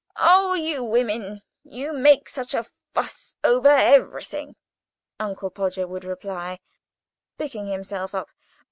"Oh! you women, you make such a fuss over everything," Uncle Podger would reply, picking himself up.